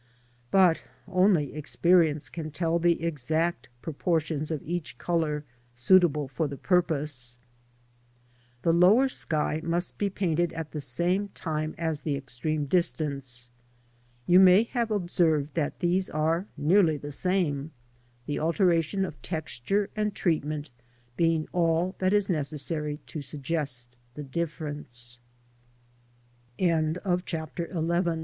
But only experience can tell the exact proportions of each colour suitable for the purpose. The lower sky must be painted at the same time as the extreme distance. You may have observed that these are nearly the same, the alteration of texture and treatment being all that is necessary to